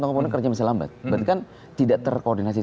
toko toko kerja bisa lambat berarti kan tidak terkoordinasi